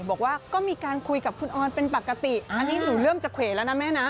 บอกว่าก็มีการคุยกับคุณออนเป็นปกติอันนี้หนูเริ่มจะเขวแล้วนะแม่นะ